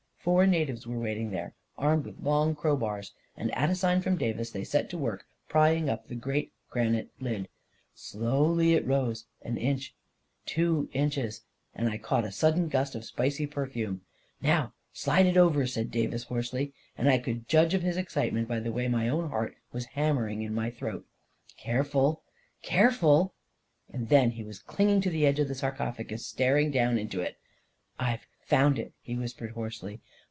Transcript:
Four natives were waiting there, armed with long crowbars, and at a sign from Davis, they set to work prying up the great granite lid. Slowly 264 A KING IN BABYLON it rose — an inch — two inches — and I caught a sudden gust of spicy perfume ..." Now, slide it over! " said Davis, hoarsely, and I could judge of his excitement by the way my own heart was hammering in my throat. " Careful 1 Careful !" And then he was clinging to the edge of the sarcophagus, staring down into it. " I've found it I " he whispered hoarsely.